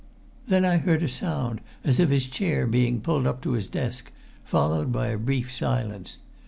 Then I heard a sound as of his chair being pulled up to his desk, followed by a brief silence.